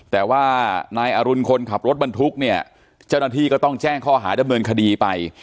แต่ว่านายอรุณคนขับรถบรรทุกเนี่ยเจ้าหน้าที่ก็ต้องแจ้งข้อหาดำเนินคดีไป